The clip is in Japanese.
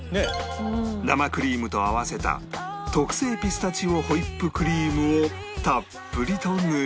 生クリームと合わせた特製ピスタチオホイップクリームをたっぷりと塗り